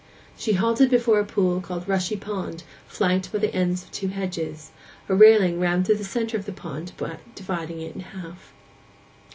She halted before a pool called Rushy pond, flanked by the ends of two hedges; a railing ran through the centre of the pond, dividing it in half.